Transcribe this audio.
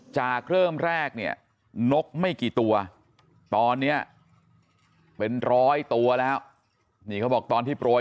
จากเริ่มแรกเนี่ยนกไม่กี่ตัวตอนนี้เป็นร้อยตัวแล้วนี่เขาบอกตอนที่โปรย